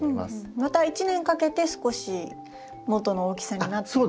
また１年かけて少し元の大きさになっていくっていう。